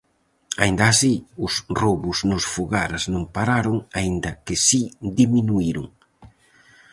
Aínda así, os roubos nos fogares non pararon, aínda que si diminuíron.